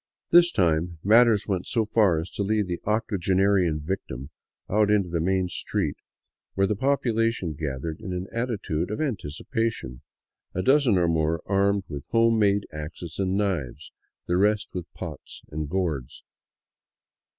This time matters went so far as to lead the octogenarian victim out into the main street, where the population gathered in an attitude of anticipation, a dozen or more armed with home made axes and knives, the rest with pots and gourds.